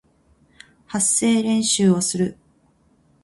発声練習をする